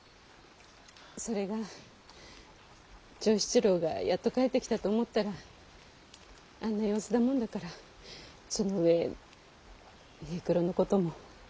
それが長七郎がやっと帰ってきたと思ったらあんな様子だもんだからその上平九郎のことも。